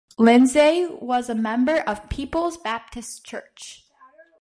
Lindsay was a member of People's Baptist Church.